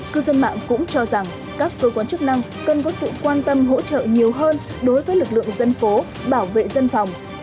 cư dân mạng cũng cho rằng các cơ quan chức năng cần có sự quan tâm hỗ trợ nhiều hơn đối với lực lượng dân phố bảo vệ dân phòng